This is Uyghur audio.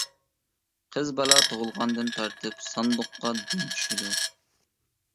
قىز بالا تۇغۇلغاندىن تارتىپ ساندۇققا دۈم چۈشىدۇ.